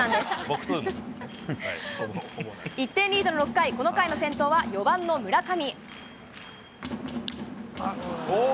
１点リードの６回、この回の先頭は４番の村上。